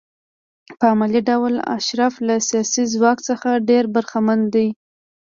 په عملي ډول اشراف له سیاسي ځواک څخه ډېر برخمن دي.